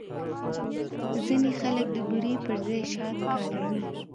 ځینې خلک د بوري پر ځای شات کاروي.